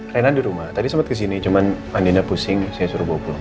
rena di rumah tadi sempat ke sini cuman andina pusing saya suruh bawa pulang